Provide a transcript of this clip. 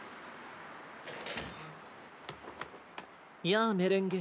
やあメレンゲ